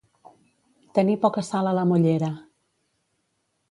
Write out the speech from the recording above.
Tenir poca sal a la mollera.